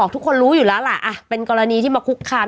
ทุกคนรู้อยู่แล้วล่ะเป็นกรณีที่มาคุกคาม